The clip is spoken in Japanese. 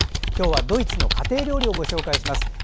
今日はドイツの家庭料理をご紹介します。